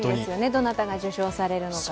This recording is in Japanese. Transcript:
どなたが受賞されるのか。